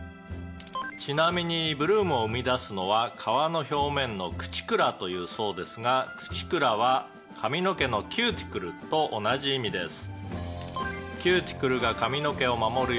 「ちなみにブルームを生み出すのは皮の表面のクチクラという層ですがクチクラは髪の毛のキューティクルと同じ意味です」